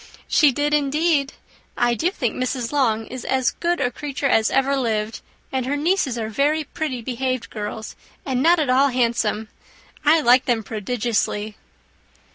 She did, indeed. I do think Mrs. Long is as good a creature as ever lived and her nieces are very pretty behaved girls, and not at all handsome: I like them prodigiously."